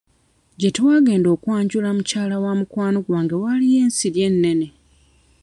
Gye twagenda okwanjula mukyala wa mukwano gwange waaliyo ensiri ennene.